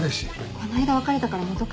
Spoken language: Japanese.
この間別れたから元彼。